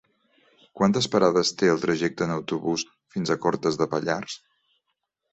Quantes parades té el trajecte en autobús fins a Cortes de Pallars?